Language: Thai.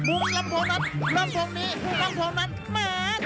ลำโพงนั้นลำโพงนี้ลำโพงนั้นแหม